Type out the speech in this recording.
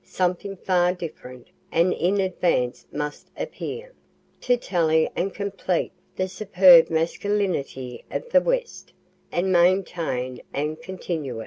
Something far different and in advance must appear, to tally and complete the superb masculinity of the west, and maintain and continue it.